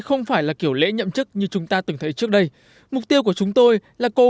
không phải là kiểu lễ nhậm chức như chúng ta từng thấy trước đây mục tiêu của chúng tôi là cố